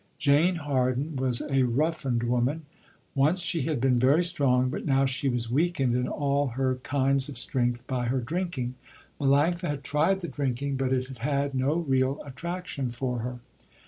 Jane Harden was a roughened woman. Once she had been very strong, but now she was weakened in all her kinds of strength by her drinking. Melanctha had tried the drinking but it had had no real attraction for her.